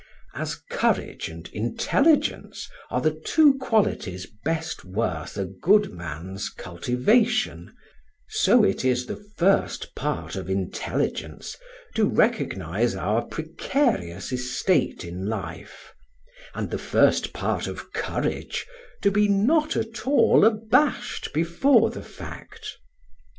As courage and intelligence are the two qualities best worth a good man's cultivation, so it is the first part of intelligence to recognise our precarious estate in life, and the first part of courage to be not at all abashed before the fact.